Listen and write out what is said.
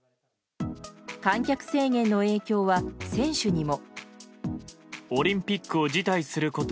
観客制限の影響は選手にも。